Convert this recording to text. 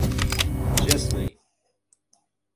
«Честный»!